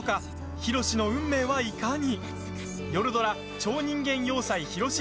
ヒロシの運命はいかに。